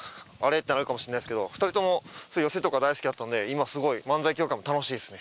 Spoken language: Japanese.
ってなるかもしんないすけど２人とも寄席とか大好きだったんで今すごい漫才協会も楽しいっすね。